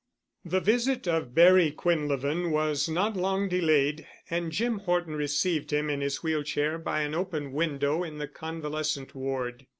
The visit of Barry Quinlevin was not long delayed and Jim Horton received him in his wheel chair by an open window in the convalescent ward.